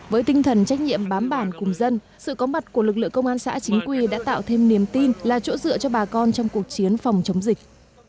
với tinh thần trách nhiệm bám bản cùng dân sự có mặt của lực lượng công an xã chính quy đã tạo thêm niềm tin là chỗ dựa cho bà con trong cuộc chiến phòng chống dịch